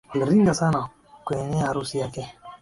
Aliringa sana kweneye harusi yake